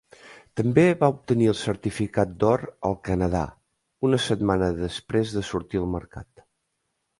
També va obtenir el certificat d'or al Canadà, una setmana després de sortir al mercat.